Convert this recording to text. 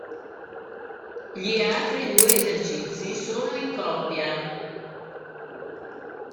Gli altri due esercizi sono in coppia.